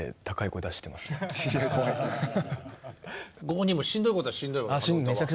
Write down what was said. ご本人もしんどいことはしんどいわけですね。